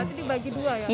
berarti dibagi dua ya